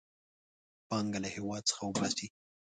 پانګه له هېواد څخه وباسي.